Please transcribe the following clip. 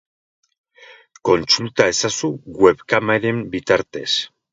Kontsulta ezazu webkameren bitartez.